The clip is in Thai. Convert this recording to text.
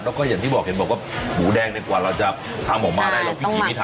แล้วก็อย่างที่บอกเห็นบอกว่าหมูแดงเนี่ยกว่าเราจะทำออกมาได้แล้วพิธีนี้ทำ